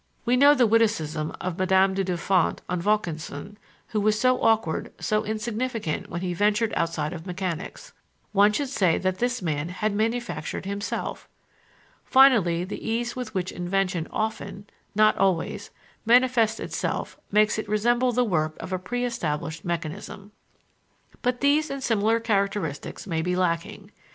We know the witticism of Madame du Deffant on Vaucanson, who was so awkward, so insignificant when he ventured outside of mechanics. "One should say that this man had manufactured himself." Finally, the ease with which invention often (not always) manifests itself makes it resemble the work of a pre established mechanism. But these and similar characteristics may be lacking.